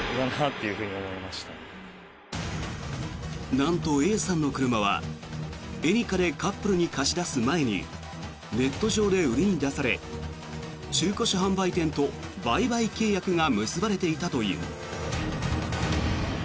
なんと、Ａさんの車はエニカでカップルに貸し出す前にネット上で売りに出され中古車販売店と売買契約が結ばれていたという。